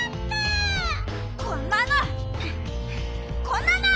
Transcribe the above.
こんなの！